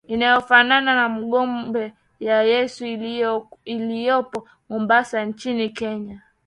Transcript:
inayofanana na Ngome ya Yesu iliyopo Mombasa nchini Kenya